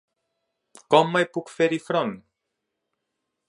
Com mai puc fer-hi front?